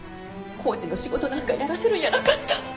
工事の仕事なんかやらせるんやなかった。